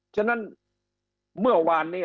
แต่ว่าครอบครัวเป็นหนี้